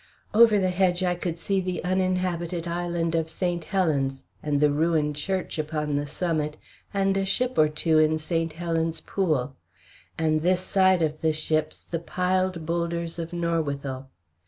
Over the hedge I could see the uninhabited island of St. Helen's and the ruined church upon the summit, and a ship or two in St. Helen's Pool; and this side of the ships the piled boulders of Norwithel.